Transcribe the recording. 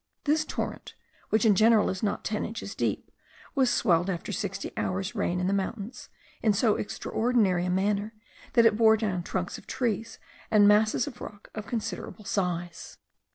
This torrent, which in general is not ten inches deep, was swelled after sixty hours' rain in the mountains, in so extraordinary a manner, that it bore down trunks of trees and masses of rock of considerable size.